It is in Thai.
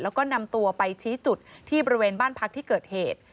แล้วก็นำตัวไปชี้จุดที่บริเวณบ้านพักที่เกิดเหตุ